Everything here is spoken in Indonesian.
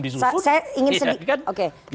disusun saya ingin sedikit oke